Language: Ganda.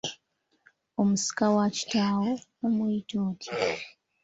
Omusika wa kitaawo, omuyita otya?